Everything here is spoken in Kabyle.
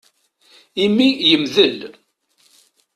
Imi yemdel.